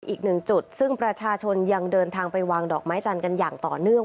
อีกหนึ่งจุดซึ่งประชาชนยังเดินทางไปวางดอกไม้จันทร์กันอย่างต่อเนื่อง